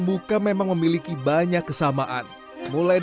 kalau mati lendang mati rampraksinya pak udah rumbu banyak